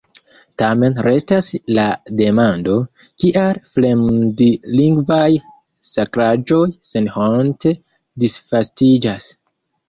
Tamen restas la demando, kial fremdlingvaj sakraĵoj senhonte disvastiĝas.